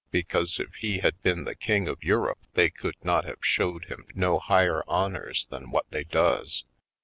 Because if he had been the King of Europe they could not have showed him no higher honors than what they does.